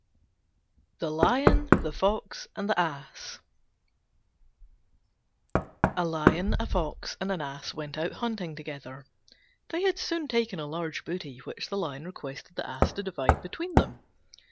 THE LION, THE FOX, AND THE ASS A Lion, a Fox, and an Ass went out hunting together. They had soon taken a large booty, which the Lion requested the Ass to divide between them.